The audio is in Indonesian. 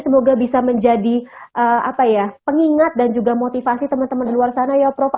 semoga bisa menjadi pengingat dan juga motivasi teman teman di luar sana ya prof